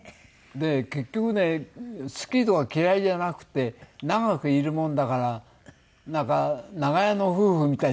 で結局ね好きとか嫌いじゃなくて長くいるもんだからなんか長屋の夫婦みたいになっちゃってね。